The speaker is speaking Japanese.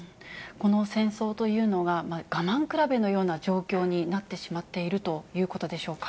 この戦争というのが、我慢比べのような状況になってしまっているということでしょうか。